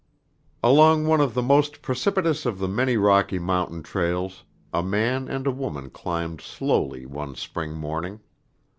Along one of the most precipitous of the many Rocky Mountain trails a man and a woman climbed slowly one spring morning.